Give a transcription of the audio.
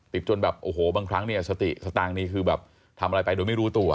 ติดจนแบบบางครั้งสตางค์นี้ทำอะไรไปโดยไม่รู้ตัว